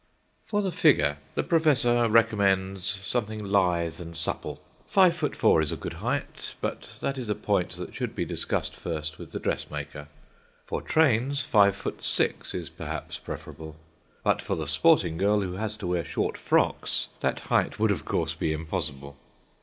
For the figure, the professor recommends something lithe and supple. Five foot four is a good height, but that is a point that should be discussed first with the dressmaker. For trains, five foot six is, perhaps, preferable. But for the sporting girl, who has to wear short frocks, that height would, of course, be impossible.